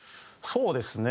そうですね。